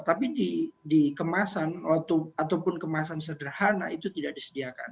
tapi dikemasan ataupun kemasan sederhana itu tidak disediakan